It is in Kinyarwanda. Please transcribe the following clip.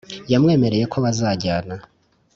yamwemereye ko bazajyana